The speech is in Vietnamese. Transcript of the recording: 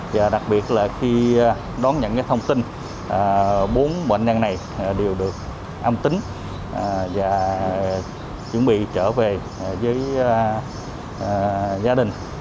và đặc biệt là khi đón nhận thông tin bốn bệnh nhân này đều được âm tính và chuẩn bị trở về với gia đình